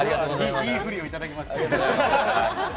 いい振りをいただきました。